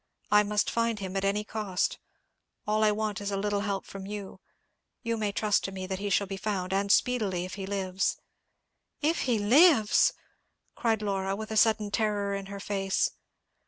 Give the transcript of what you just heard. I must find him at any cost. All I want is a little help from you. You may trust to me that he shall be found, and speedily, if he lives." "If he lives!" cried Laura, with a sudden terror in her face.